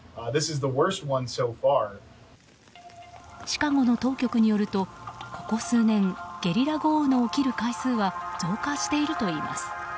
シカゴの当局によるとここ数年ゲリラ豪雨の起きる回数は増加しているといいます。